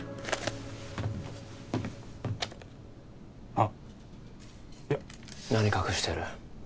あっいや何隠してる？